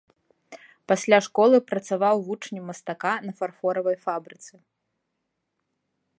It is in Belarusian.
Пасля школы працаваў вучнем мастака на фарфоравай фабрыцы.